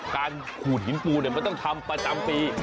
การขูดหินปูนก็ต้องทำประจำปี